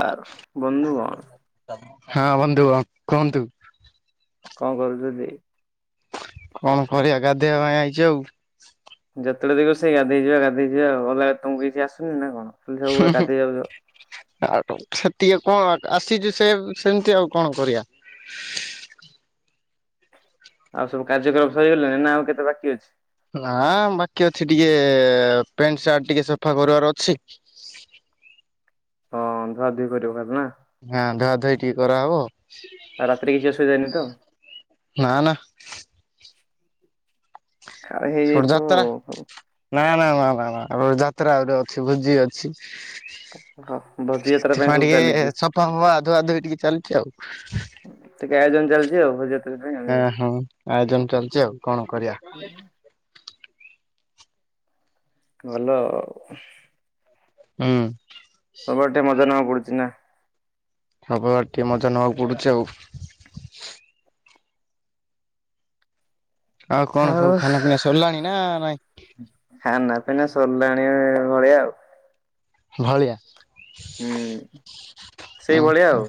ବାର ବନ୍ଧୁଗଣ। ହଁ ବନ୍ଧୁଗଣ କୁହନ୍ତୁ? କଣ କରୁଛନ୍ତି? କଣ କରିବା ଗାଧେଇବା ପାଇଁ ଆଇଛି ଆଉ। ଯେତେବେଳେ ଦେଖିବ ସେଇ ଗାଧେଇ ଯିବା ଯିବା ଗାଧେଇଯିବା ଆଉ ଅଲଗା ତମକୁ କିଛି ଆସୁନି ନା କଣ ଖାଲି ସବୁବେଳେ ଗାଧେଇ ଯାଉଛ। ଆଉ ସେତିକ କଣ ଆସିଛୁ ସେ ସେମତି ଆଉ କଣ କରିବା? ଆଉ ସବୁ କାର୍ଯ୍ୟକ୍ରମ ସରିଗଲାଣି ନା ଆଉ କେତେ ବାକି ଅଛି? ନା ବାକି ଅଛି ଟିକେ ପେଣ୍ଟ ସାର୍ଟ ଟିକେ ସଫା କରିବାର ଅଛି। ହଁ ଧୁଆ ଧୁଇ କରିବ ଖାଲି ନା। ହଁ ଧୁଆ ଧୋଇ ଟିକେ କରାହବ। ଆଉ ରାତିରେ କିଛି ଅସୁବିଧା ହେଇନି ତ। ନା ନା। କାଳେ ସେପଟେ ଯାତ୍ରା ହେଇଯାଇଥିବ। ନା ନା ନା ନା ନା ଯାତ୍ରା ଆହୁରି ଅଛି ଭୋଜି ଅଛି। ହଁ ଭଜି ଯାତ୍ରା ପାଇଁ ସବୁ ଚାଲିଛି। ହଁ ଆଧୁଆଧୁଇ ଟିକେ ଚାଲିଛି ଆଉ। ଟିକେ ଆୟୋଜନ ଚାଲିଛି ଭୋଜିର। ହଁ ହଁ ଆୟୋଜନ ଚାଲିଛି ଆଉ କଣ କରିବା? ଭଲ ଆଉ। ହୁଁ। ସବୁଆଡେ ଟିକେ ମଜା ନେବା ପଡୁଛି ନା। ସବୁବାଟେ ଟିକେ ମଜା ନେବାକୁ ପଡୁଚି ଆଉ। ଆଉ କଣ ସବୁ ଖାନା ପିନା ସରିଲାଣି ନା ନାଇଁ? ଖାନା ପିନା ସରିଲାଣି ଭଳିଆ ଆଉ। ଭଳିଆ। ହୁଁ। ହଁ ସେଇଭଳିଆ ଆଉ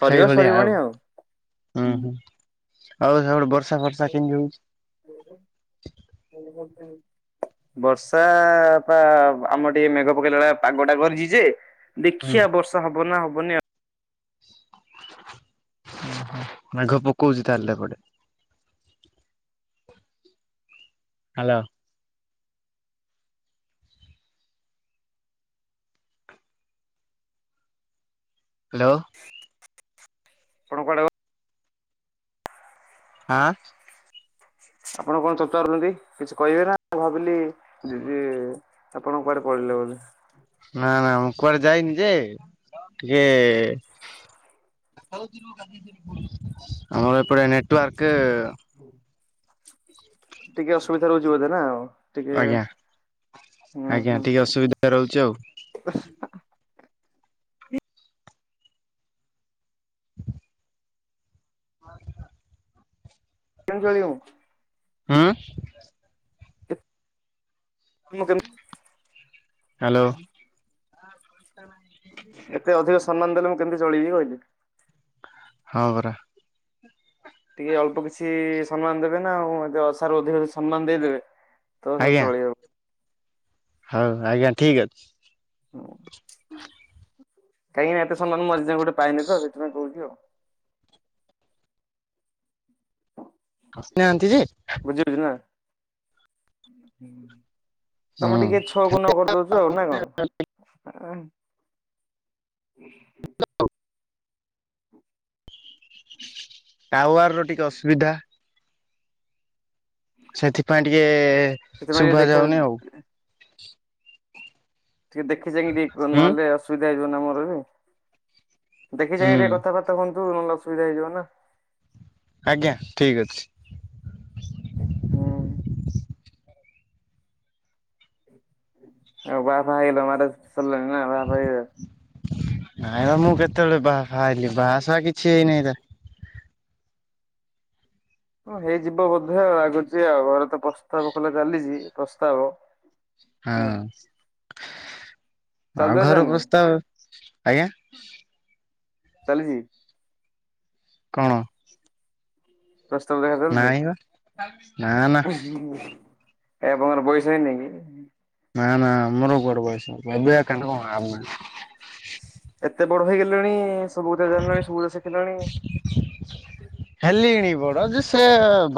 ସରିବ ସରିବଣି ଆଉ। ହୁଁ ହୁଁ। ଆଉ ସପଟେ ବର୍ଷା ଫର୍ଷା କେମିତି ହଉଛି? [inaudible] ବର୍ଷା ପା ଆମର ଟିକିଏ ମେଘ ପକେଇଲାଭଳିଆ ପାଗଟା କରିଛି ଯେ ହୁଁ ଦେଖିଆ ବର୍ଷା ହବ ନା ହବନି ଆଉ? ମେଘ ପକଉଛି ତାହେଲେ ଏପଟେ। ହାଲୋ। ହ୍ୟାଲୋ। ଆପଣ କୁଆଡେ ହାଁ। ଆପଣ କଣ ପଚାରୁଛନ୍ତି କିଛି କହିବେ ନା ମୁଁ ଭାବିଲି ଯେ ଆପଣ କୁଆଡେ ପଳେଇଲେ ବୋଧେ? ନା, ନା, ମୁଁ କୁଆଡେ ଯାଇନି ଯେ ଟିକେ [inaudible] ନେଟୱାର୍କ [inaudible] ଟିକେ ଅସୁବିଧା ରହୁଛି ବୋଧେ ନା ଆଉ। ଟିକେ ଆଜ୍ଞା, ହୁଁ ଆଜ୍ଞା, ହୁଁ ଟିକେ ଅସୁବିଧା ରହୁଛି ଆଉ। [inaudible] [inaudible] [inaudible] [inaudible] ହୁଁ। ମୁଁ କେମତି ହାଲୋ। [inaudible] ଏତେ ଅଧିକ ସମ୍ମାନ ଦେଲେ ମୁଁ କେମତି ଚଳିବି ଅଏ। ହଁ ପରା। ଟିକେ ଅଳ୍ପ କିଛି ସମ୍ମାନ ଦେବେ ନା ଆଉ ଏ ଅଶାରୁ ଅଧିକ ସମ୍ମାନ ଦେଇଦେବେ। ତ ସବୁ ଆଜ୍ଞା ଚଲିବ। ହଉ ଆଜ୍ଞା, ଠିକ ଅଛି। [inaudible] କାହିଁକିନା ଏତେ ସମ୍ମାନ ମୁଁ ଆଜି ଯାଏଁ ଗୋଟେ ପାଇନି ତ ସେଥିପାଇଁ କହୁଛି ଆଉ। ଆସି ନାହାନ୍ତି ଯେ ବୁଝିଲୁ ନା, ହୁଁ ତମେ ଟିକେ ଚୁ ଛକକୁନ କରିଦଉଛୁ ଆଉ ନା କଣ? [inaudible] ଟାୱାରର ଟିକେ ଅସୁବିଧା। ସେଥିପାଇଁ ଟିକେ ସେଥିପାଇଁ ଶୁଭା ଦେଖ ଯାଉନି ଆଉ। ଟିକେ ଦେଖି ଚାଇଁକି ଟିକେ ହୁଁ ନହେଲେ ଅସୁବିଧା ହେଇଯିବନା ମୋର ଏବେ। ଦେଖି ହୁଁ ଚାହିଁ ଟିକେ କଥାବାର୍ତ୍ତା କରନ୍ତୁ ନହେଲେ ଅସୁବିଧା ହେଇଯିବ ନା। ଆଜ୍ଞା, ଠିକ ଅଛି। ଉଁ। ଆଉ ବାହା ବାଫା ହେଇଗଲଣି ମ୍ୟାରେଜ୍ ସରିଲାଣିି ନା ବାହା ଫାଆ ହେଇଗଲଣି ନା। ନାଇଁ ମ ମୁଁ କେତେବେଳେ ବାହା ଫାଆ ହେଲି ବାହା ଫାଆ କିଛି ହେଇନାହିଁ ହେରା। ହଁ ହେଇଯିବ ବୋଧେ ଆଉ ଲାଗୁଛି ଆଉ ଘରେ ତ ପ୍ରସ୍ତାବ ଖୋଲା ଚାଲିଛି ପ୍ରସ୍ତାବ। ହଁ, ହୁଁ। ଆଉ ଚାଲିଲା କାହାର ଚାଲିନି ପ୍ରସ୍ତାବ ଆଜ୍ଞା। ଚାଲିଛି। କଣ? ନାଇଁ ବା ପ୍ରସ୍ତାବ ନା ଦେଖା ନା ଚାଲିଛି। ଏ ପୁଅର ବୟସ ହେଇନି କି? ନା ନା ଆମର ଗୋଡେ ବଏସ ଏବେ କଣ ନାଁ ଏତେ ବଡ ହେଇଗଲେଣି ସବୁ କଥା ଜାଣିଲଣି ସବୁକଥା ଶିଖିଲଣି। [inaudible] ହେଲିଣି ବଡ ଯେ, ସେ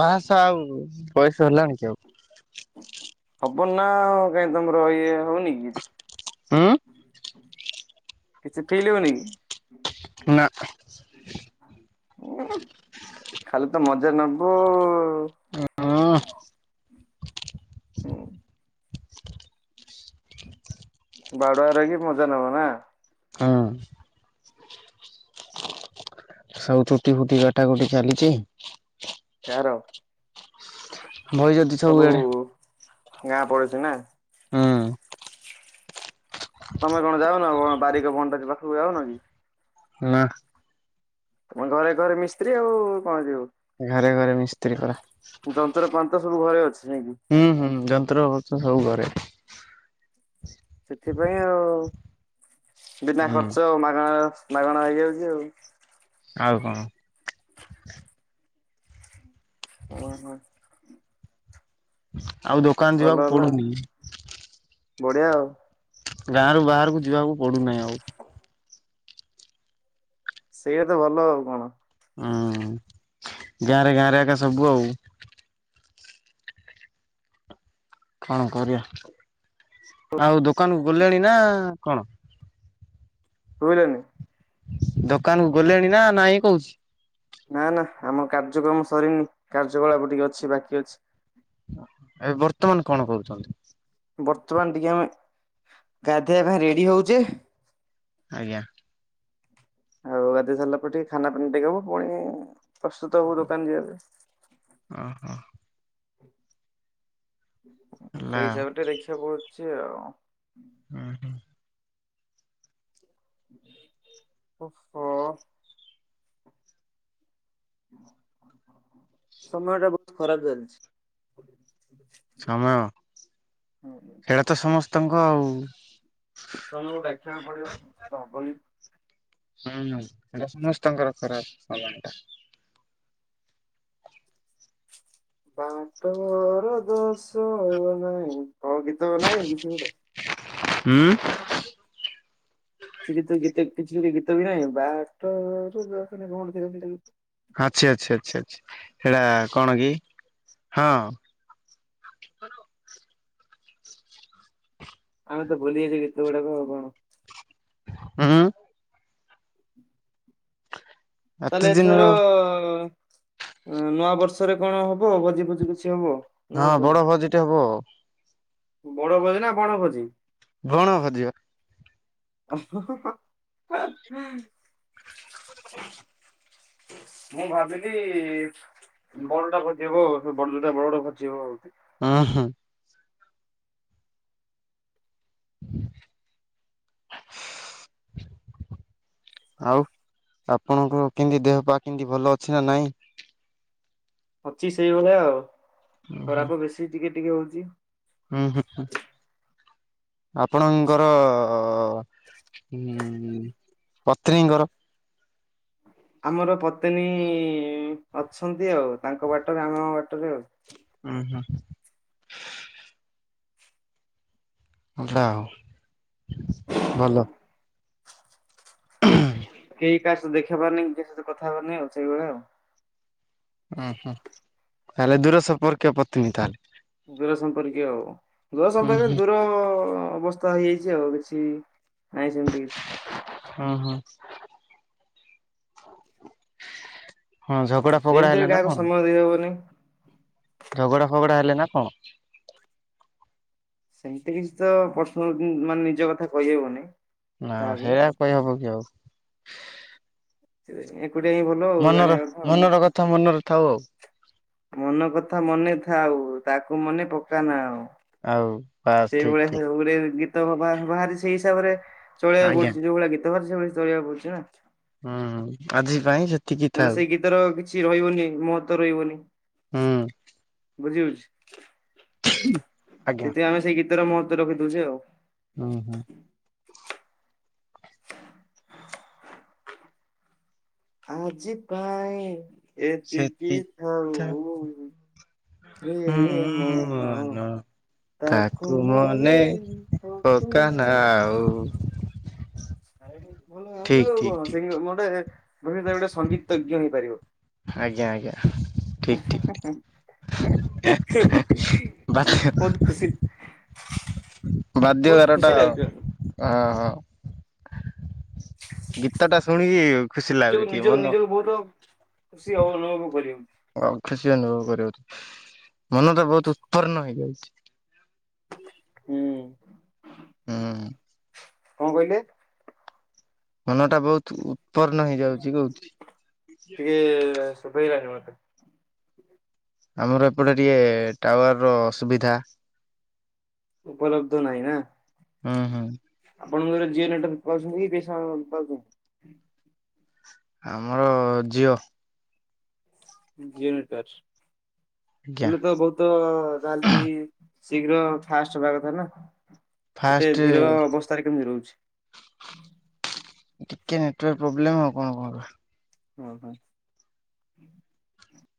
ବାହାସା ଆଉ ବୟସ ହେଲାଣି କି ଆଉ। ହବନାଉ କାହିଁ ତମର ଇଏ ହଉନି କି? ହୁଁ। କିଛି ଫିଲ ହୁଏନି? ନା। ଉଁ ଖାଲି ତ ମଜା ନେବ। [inaudible] ହଁ ବାଡୁଆ ରହିକିି ମଜା ନବା ନା। ହୁଁ। ସବୁ ଚୁଟି ଫୁଟି କଟାକଟି ଚାଲିଛି। କାହାର? ବଇଛନ୍ତି ସବୁ ସବୁଆଡେ ଗାଁ ପଡିଛି ନା। ହୁଁ। ତମେ କଣ ଯାଉନ କଣ ବାରିକ ଭଣ୍ଡାରୀ ପାଖକୁ ଯାଉନ କି? ନା। ଘରେ ଘରେ ମିସ୍ତ୍ରୀ ଆଉ କଣ ଯିବୁ? ଘାରେ ଘରେ ମିସ୍ତ୍ରୀ ପରା। ଯନ୍ତ୍ର ପାନ୍ତ ସବୁ ଘରେ ଅଛି ନାଇଁକି? ହୁଁ ହୁଁ ଯନ୍ତ୍ର ଫନ୍ତ୍ର ସବୁ ଘରେ। ସେଥିପାଇଁ ଆଉ ବିନା ହୁଁ ଖର୍ଚ୍ଚ ଆଉ ମାଗଣା ମାଗଣା ହେଇଯାଉଛି ଆଉ। ଆଉ କଣ? ହଁ ହଁ। ଆଉ ଦୋକାନ ଭଲ ଯିବାକୁ ହେଲା ପଡୁନି। ବଢିଆ ଆଉ। ଗାଁରୁ ବାହାରକୁ ଯିବାକୁ ପଡୁନାହିଁ ଆଉ। ସେଇଆ ତ ଭଲ ଆଉ କଣ? ହଁ ଗାଁରେ ଗାଁରେ ଏକା ସବୁ ଆଉ। କଣ କରିବା ଆଉ ଦୋକାନ ଖୋଲିଲେଣି ନା କଣ? [inaudible] ଦୋକାନକୁ ଗଲେଣି ନା ନାଇଁ କହୁଛି। ନା ନା ଆମର କାର୍ଯ୍ୟକ୍ରମ ସରିନି କାର୍ଯ୍ୟକଳାପ ଟିକେ ଅଛି ବାକି ଅଛି। ଏବେ ବର୍ତ୍ତମାନ କଣ କରୁଛନ୍ତି? ବର୍ତ୍ତମାନ ଟିକେ ଆମେ ଗାଧେଇବା ପାଇଁ ରେଡି ହଉଛେ। ଆଜ୍ଞା। ଆଉ ଗାଧେଇ ସାରିଲା ପରେ ଟିକେ ଖାନା ପିନା ଟିକେ ହବ ପୁଣି ପ୍ରସ୍ତୁତ ହବୁ ଦୋକାନ ଯିବା ପାଇଁ। ଅ ହ। ହେଲା ସେଇ ଆଉ ହିସାବରେ ଟିକେ ଦେଖିବାକୁ ପଡୁଛି ଆଉ ହୁଁ। ଓହୋ। ସମୟଟା ବହୁତ ଖରାପ ଚାଲିଛି। ସମୟ ସେଇଟା ତ ସମସ୍ତଙ୍କ ଆଉ ସମୟକୁ ଦେଖିବାକୁ ପଡିବ ହବନି। ହୁଁ ହଁ ସେଇଟା ସମସ୍ତଙ୍କର ଖରାପ ସମୟଟା। ବାଟ ମୋର ଦୋଷ ନାଇଁ କ ଗୀତ ନାଇଁ କି ସେ ଗୋଟେ। ହୁଁ। କି ଗୀତ ଗୀତ କିଛି ଗୀତ ବି ନାହିଁ ବାଟ ମୋର ଦୋଷ ନାଇ [inaudible] ଆଛା ଆଛା ଆଛା ସେଟା କଣ କି ହଁ। ଆଉ ତ ଭୁଲି ଯାଇଛି ଗୀତ ଗୁଡାକ ଆଉ କଣ? ହାଁ। ଏତେ ତାହେଲେ ଦିନର ଏଥର ନୂଆ ବର୍ଷରେ କଣ ହବ ଭୋଜି ଫୋଜି କିଛି ହବ? ନା ହଁ ହବନି? ବଡ ଭୋଜିଟେ ହବ। ବଡ ଭୋଜି ନା ବଣ ଭୋଜି? ବଣ ଭୋଜିବା। ଅହ ହ। ମୁଁ ଭାବିଲି। ବଣଟା ଭୋଜିିହବ ବଡଟା ବଡ ଭୋଜିହବ ଆଉଥରେ। ହଁ ହଁ। [inaudible] ଆଉ ଆପଣଙ୍କ କେମିତି ଦେହ ପା କେମତି ଭଲ ଅଛି ନା ନାଇଁ? ଅଛି ସେଇଭଳିଆ ଆଉ ହୁଁ ଖରାପ ବେଶୀ ଟିକେ ଟିକେ ହଉଚି। ଉଁ ହୁଁ ହୁଁ। ଆପଣଙ୍କର ପତ୍ନୀଙ୍କର। ଆମର ପତ୍ନୀ ଅଛନ୍ତି ଆଉ ତାଙ୍କ ବାଟରେ ଆମ ବାଟରେ ଆଉ। ଉଁ ହୁଁ। ଜା ହଉ ଭଲ। [unintelligible] ତା ସହିତ ଦେଖା ହବାର ନାଇଁ କା ସହିତ କଥାହବାର ନାଇଁ ସେଇଭଳିଆ ଆଉ। ଓ ହୁଁ ତାହେଲେ ଦୂର ସମ୍ପର୍କୀୟ ପତ୍ନୀ ତାହେଲେ। ଦୂର ସମ୍ପର୍କୀୟ ଆଉ ଦୂର ଉଁ ସମ୍ପର୍କୀୟ ହୁଁ ଦୂର ଅବସ୍ଥା ହେଇଯାଇଚି ଆଉ ବେସି ନାହିଁ ସେମିତି କିଛି। ଉଁ ହୁଁ। ହଁ ଝଗଡା ଫଗଡା ହେଲାନା କଣ। [unintelligible] ହବନି। ଝଗଡା ଫଗଡା ହେଲାନା କଣ। ସେମତି କିଛି ତ ପର୍ସନା ମାନେ ନିଜ କଥା କହିହେବନି। ନା କାହାକୁ ହେରା କହିହବ କି ଆଉ। ଏକୁଟିଆ ହିଁ ଭଲ। ଆଉ ମନର ଜାଣିବା କଥା ଆଉ। ମନର କଥା ମନରେ ଥାଉ ଆଉ। ମନ କଥା ମନେ ଥାଉ ତାକୁ ମନେ ପକାନା ଆଉ। ଆଉ ବାସ୍ ଠିକ୍ ଠିକ୍ ସେଇଭଳିଆ ଗଟେ ଗୀତ। ବାହାରି ସେଇ ହିସାବରେ ଚଳିବାକୁ ଆଜ୍ଞା ପଡୁଚି ଯୋଉ ଭଳିଆ ଗୀତ ବାହାରିଚି ସେଇ ଭଳିଆ ଚଳେଇବାକୁ ପଡୁଚି ନା। ହୁଁ ଆଜି ପାଇଁ ସେତ ନହେଲେ ସେଇ ଗୀତ ର କିଛି ରହିବନି ମହତ୍ବ ରହିବନି। ହୁଁ। ବୁଝିହଉଚି ଆଜ୍ଞା ସେଥିପାଇଁ ଆମେ ସେଇ ଗୀତର ମହତ୍ବ ରଖି ଦଉଚୁ ଆଉ। ହୁଁ ହୁଁ। ତ [inaudible] ଆଜି ପାଇଁ ଏତିକି ସେତି ଥାଉ ଥାଉଉ। ହୁଁ ମନ। ତାକୁ ମନେ ପକା ନା ପକାନା। ଆଉ। ଭାଇ ଭଲ ଗାଉଚୁ ଠିକ୍ ଠିକ୍ ଆଉ ଠିକ୍ କଣ ଗୋଟେ ସଙ୍ଗୀତଜ୍ଞ ହେଇପାରିବ। ଆଜ୍ଞା ଆଜ୍ଞା ଠିକ୍ ଠିକ୍। [unintelligible] ବହୁତ ଖୁସି ବାଧ୍ୟ ବହୁତ ବାରଟା। ଖୁସି ଲାଗୁଛି ଅ ହୋ ଗୀତଟା ଶୁଣିକି ଖୁସି ଲାଗୁଛି ଜୋଉ ଟିକେ ନିଜ ମନ ନିଜକୁ ବହୁତ ଖୁସି ଅନୁଭବ କରିବ। ଆଉ ଖୁସି ଅନୁଭବ କରିବ ମନଟା ବହୁତ ଉତ୍ପନ୍ନ ହେଇଯାଉଚି। ହୁଁ। ହୁଁ। କଣ କହିଲେ। ମନ ଟା ବହୁତ ଉତ୍ପନ୍ନ ହେଇଯାଉଚି କହୁଥିଲି। ଟିକେ ଶୁଭେଇ ଲାନି ମତେ। ଆମର ଏପଟେ ଟିକେ ଟାୱାର ର ଅସୁବିଧା। ଉପଲବ୍ଧ ନାହିଁ ନା। ହୁଁ ହୁଁ। ଆପଣଙ୍କର ଜିଓ ନେଟୱର୍କ ପାଉଛନ୍ତି କି ପସା ପାଉଛନ୍ତି। ଆମର ଜିଅ। ଜଅ ନେଟୱାର୍କ ଆଜ୍ଞା ହେଲେ ତ ବହୁତ ତ ଜାହେଲେବି ଶୀଘ୍ର ଫାଷ୍ଟ ହବା କଥା ନା। ଏତେ ଫାଷ୍ଟେ। ଧୀର ଅବସ୍ଥାରେ କେମିତି ରହୁଛି। ଟିକେ ନେଟୱାର୍କ ପ୍ରୋବ୍ଲେମ ଆଉ କଣ କଣ। ହୁଁ ହୁଁ।